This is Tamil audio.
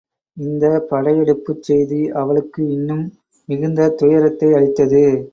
இந்தப் படையெடுப்புச் செய்தி அவளுக்கு இன்னும் மிகுந்த துயரத்தை அளித்தது.